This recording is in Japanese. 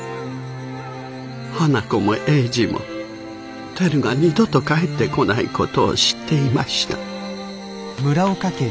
花子も英治もテルが二度と帰ってこない事を知っていました。